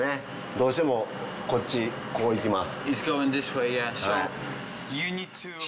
どうしてもこっちこう行きます。